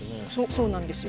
そうなんですよ。